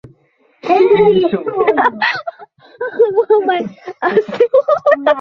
বিক্ষোভ শীঘ্রই ভারতের বাকী অংশে ছড়িয়ে পড়ে।